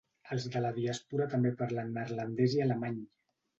Els de la diàspora també parlen neerlandès i alemany.